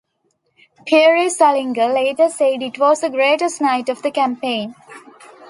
Pierre Salinger later said it was the greatest night of the campaign.